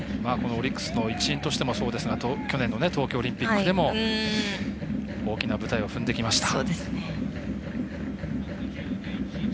オリックスの一員としてもそうですが去年の東京オリンピックでも大きな舞台を踏んできました。